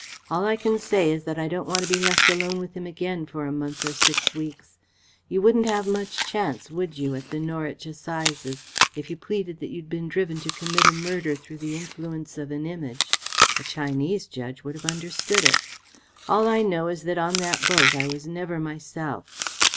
All I can say is that I don't want to be left alone with him again for a month or six weeks. You wouldn't have much chance, would you, at the Norwich Assizes if you pleaded that you had been driven to commit a murder through the influence of an Image? A Chinese judge would have understood it. All I know is that on that boat I was never myself."